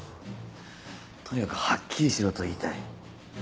とにかくはっきりしろと言いたい。